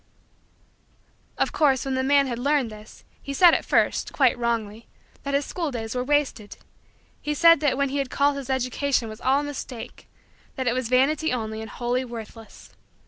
Of course, when the man had learned this, he said at first, quite wrongly, that his school days were wasted. He said that what he had called his education was all a mistake that it was vanity only and wholly worthless.